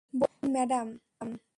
বলুন, ম্যাডাম।